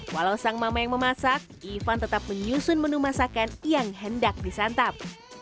walau sang mama yang memasak ivan tetap menyusun menu masakan yang hendak disantap